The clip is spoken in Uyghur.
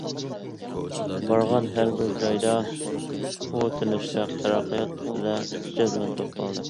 بارغان ھەربىر جايدا ئۇ« تىنچلىق، تەرەققىيات» ئۈستىدە جەزمەن توختالدى.